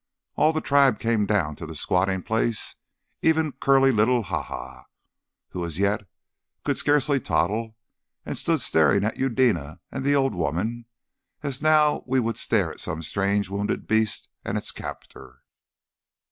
All the tribe came down to the squatting place, even curly little Haha, who as yet could scarcely toddle, and stood staring at Eudena and the old woman, as now we should stare at some strange wounded beast and its captor.